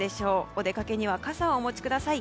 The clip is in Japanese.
お出かけには傘をお持ちください。